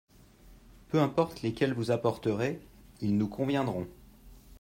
Peu importe lesquels vous apporterez, ils nous conviendront.